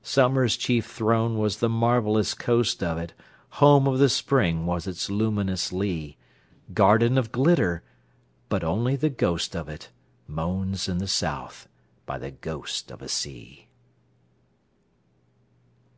Summer's chief throne was the marvellous coast of it, Home of the Spring was its luminous lea:Garden of glitter! but only the ghost of itMoans in the South by the ghost of a sea.